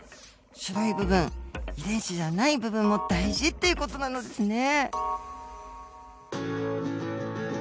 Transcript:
白い部分遺伝子じゃない部分も大事っていう事なのですね。